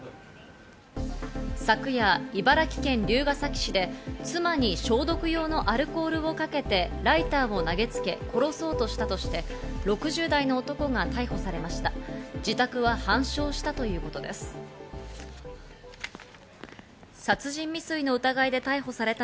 昨夜、茨城県龍ケ崎市で妻に消毒用のアルコールをかけてライターを投げつけ、殺そうとしたとして６０代の男が逮捕されました。